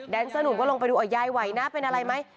เซอร์หนุ่มก็ลงไปดูยายไหวนะเป็นอะไรไหม